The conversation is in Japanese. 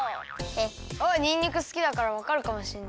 あっにんにくすきだからわかるかもしれない。